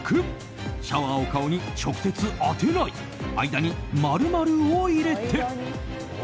６シャワーを顔に直接当てない間に○○を入れて。